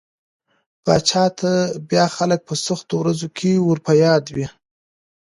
پاچا ته بيا خلک په سختو ورځو کې ور په ياد وي.